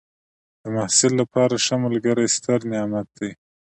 د محصل لپاره ښه ملګری ستر نعمت دی.